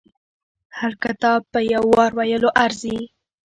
هر کتاب په يو وار ویلو ارزي.